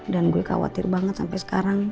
dan gue khawatir banget sampe sekarang